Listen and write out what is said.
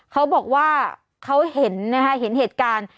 เขาบอกว่าเขาเห็นนะคะเห็นเหตุการณ์